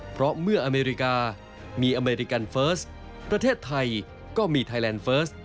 เพราะเมื่ออเมริกามีอเมริกันเฟิร์สประเทศไทยก็มีไทยแลนด์เฟิร์ส